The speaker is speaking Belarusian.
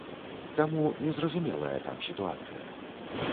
Таму, незразумелая там сітуацыя.